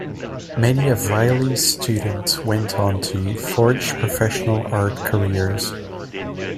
Many of Reilly's students went on to forge professional art careers.